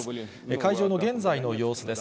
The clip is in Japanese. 会場の現在の様子です。